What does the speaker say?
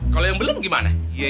kalau yang belum gimana